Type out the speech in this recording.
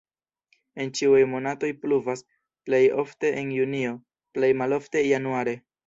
En ĉiuj monatoj pluvas, plej ofte en junio, plej malofte januare.